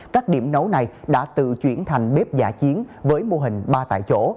các điểm nấu này đã tự chuyển thành bếp giả chiến với mô hình ba tại chỗ